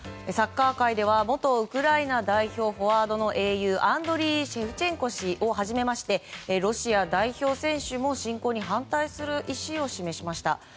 サッカー界では元ウクライナ代表フォワードの英雄アンドリー・シェフチェンコ氏をはじめロシア代表選手も侵攻に反対する意思を示しました。